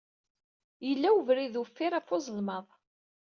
Yella webrid uffir ɣef uzelmaḍ.